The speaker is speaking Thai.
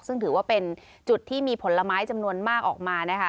ซึ่งถือว่าเป็นจุดที่มีผลไม้จำนวนมากออกมานะคะ